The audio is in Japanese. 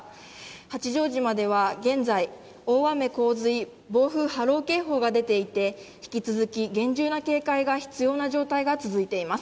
八丈島では現在、大雨、洪水、暴風、波浪警報が出ていて、引き続き厳重な警戒が必要な状態が続いています。